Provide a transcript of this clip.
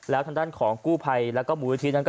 แล้วทางด้านของกู้ภัยแล้วก็มูลนิธินั้น